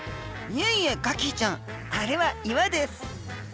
いえいえガキィちゃんあれは岩です。